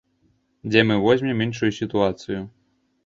Дзе мы возьмем іншую сітуацыю?